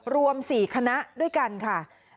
รวม๔คณะด้วยกันค่ะ